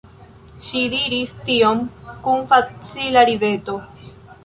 Ŝi diris tion kun facila rideto.